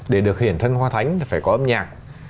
để được hiển thân hoa thánh là phải có âm nhạc